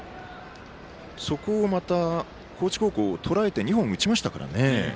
そこをまた高知高校がとらえて２本、打ちましたからね。